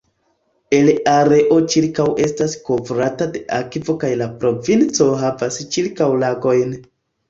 El areo ĉirkaŭ estas kovrata de akvo kaj la provinco havas ĉirkaŭ lagojn.